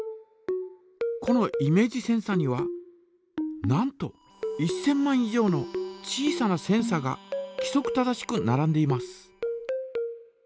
このイメージセンサにはなんと１，０００万以上の小さなセンサがきそく正しくならんでいます。